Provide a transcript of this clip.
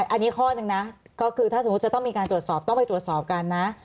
อันนี้ข้อหนึ่งนะก็คือถ้าสมมุติจะต้องมีการตรวจสอบต้องไปตรวจสอบกันนะ